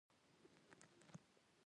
دې کار ته مې اوږه نه لګېږي.